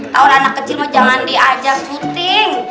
tau lah anak kecil mah jangan diajak syuting